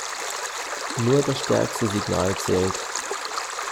Nur das stärkste Signal zählt.